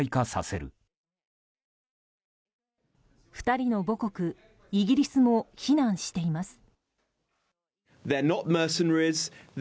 ２人の母国、イギリスも非難しています。